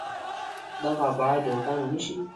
دغه ابعاد روښانه نه شي.